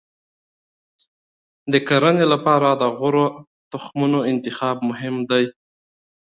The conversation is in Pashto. د کرنې لپاره د غوره تخمونو انتخاب مهم دی.